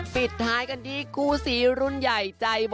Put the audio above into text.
แป้งอะไร